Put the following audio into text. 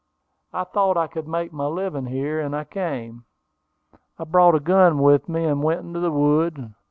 I thought I could make my living here, and I came. I brought a gun with me, and went into the woods.